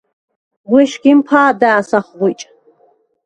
ღუ̂ეშგიმ ფა̄და̈ს ახღუ̂იჭ.